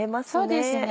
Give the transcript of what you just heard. そうですね。